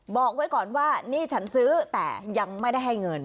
บอกไว้ก่อนว่านี่ฉันซื้อแต่ยังไม่ได้ให้เงิน